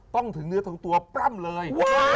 ต้องถึงเนื้อทั้งตัวปล้ำเลย